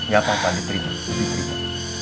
gak apa apa diterima